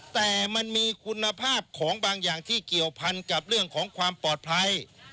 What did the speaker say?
แต่มันมีคุณภาพของบางอย่างที่เกี่ยวพันกับเรื่องของความปลอดภัย